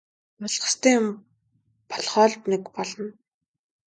Болох ёстой юм болохоо л нэг болно.